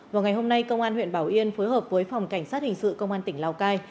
vào ngày hôm nay công an huyện bảo yên phối hợp với phòng cảnh sát hình sự công an tỉnh lào cai